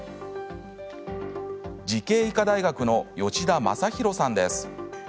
慈恵医科大学の吉田昌弘さんです。